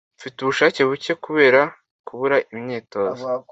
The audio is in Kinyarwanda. Mfite ubushake buke kubera kubura imyitozo.